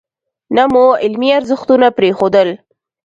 نه مو علمي ارزښتونه پرېښودل.